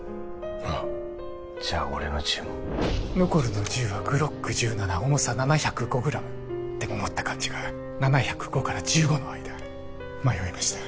ああじゃあ俺の銃もノコルの銃はグロック１７重さ７０５グラムでも持った感じは７０５から１５の間迷いました